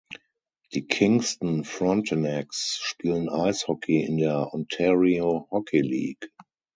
Die Kingston Frontenacs spielen Eishockey in der Ontario Hockey League.